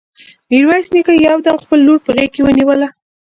ميرويس نيکه يو دم خپله لور په غېږ کې ونيوله.